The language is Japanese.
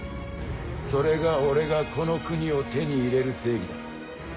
それが俺がこの国を手に入れる正義だ。